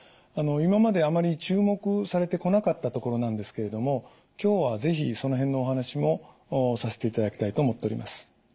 今まであまり注目されてこなかったところなんですけれども今日は是非その辺のお話もさせていただきたいと思っております。